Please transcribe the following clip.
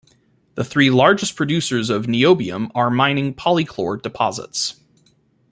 The three largest producers of niobium ore are mining pyrochlore deposits.